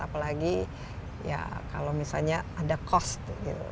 apalagi kalau misalnya ada cost